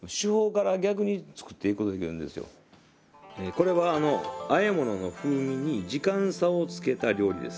これはあえものの風味に時間差をつけた料理です。